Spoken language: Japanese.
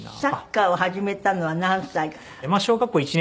サッカーを始めたのは何歳から？